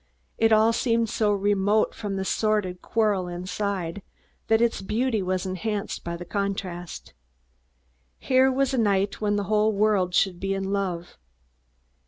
It all seemed so remote from the sordid quarrel inside that its beauty was enhanced by the contrast. Here was a night when the whole world should be in love.